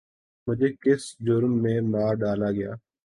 مجھے کس جرم میں مار ڈالا گیا؟